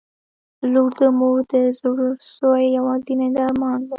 • لور د مور د زړسوي یوازینی درمان دی.